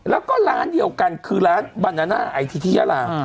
เพราะว่าร้านเดียวกันคือร้านบานาน่าไอธิธิญาลา